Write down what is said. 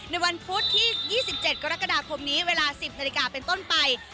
วันพุธที่๒๗กรกฎาคมนี้เวลา๑๐นาฬิกาเป็นต้นไป